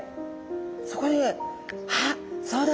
そこであっそうだ！